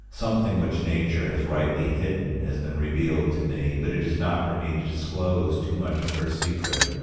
Something which nature has rightly hidden has been revealed to me, but it is not for me to disclose too much of her secret.